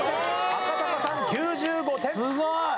赤坂さん９５点。